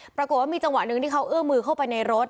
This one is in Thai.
ปรากฏว่ามีจังหวะหนึ่งที่เขาเอื้อมือเข้าไปในรถ